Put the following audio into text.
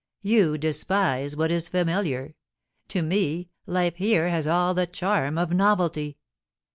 * You despise what is familiar. To me, life here has all the charm of novelty.'